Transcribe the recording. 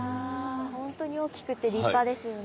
ほんとに大きくて立派ですよね。